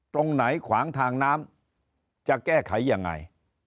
ตรงไหนขวางทางน้ำจะแก้ไขยังไง